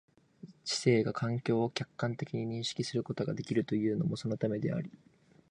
知性が環境を客観的に認識することができるというのもそのためであり、